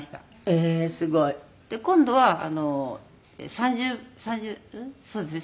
ええーすごい。今度は３０そうですね。